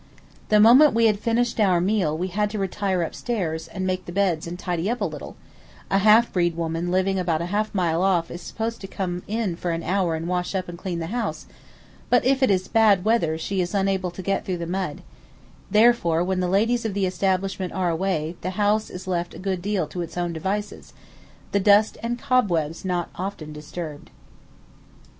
The moment we had finished our meal we had to retire upstairs and make the beds and tidy up a little; a half breed woman living about half a mile off is supposed to come in for an hour and wash up and clean the house, but if it is bad weather she is unable to get through the mud; therefore when the ladies of the establishment are away the house is left a good deal to its own devices, the dust and cobwebs not often disturbed.